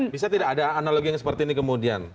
bisa tidak ada analogi yang seperti ini kemudian